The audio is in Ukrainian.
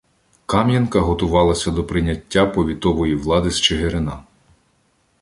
Кам'янка готувалася до прийняття повітової влади з Чигирина.